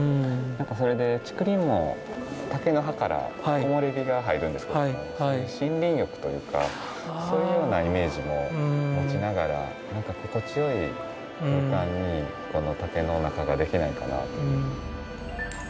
それで竹林も竹の葉から木漏れ日が入るんですけども森林浴というかそういうようなイメージも持ちながらなんか心地よい空間にこの竹の中ができないかなという。